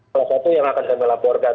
salah satu yang akan kami laporkan